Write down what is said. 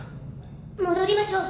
戻りましょう。